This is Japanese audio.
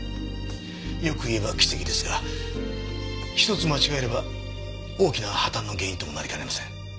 よく言えば奇跡ですがひとつ間違えれば大きな破綻の原因ともなりかねません。